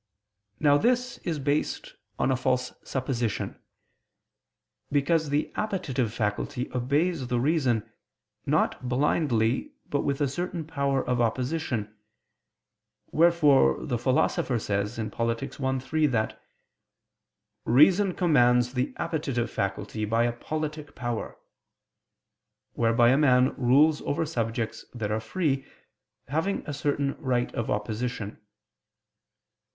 Now this is based on a false supposition. Because the appetitive faculty obeys the reason, not blindly, but with a certain power of opposition; wherefore the Philosopher says (Polit. i, 3) that "reason commands the appetitive faculty by a politic power," whereby a man rules over subjects that are free, having a certain right of opposition.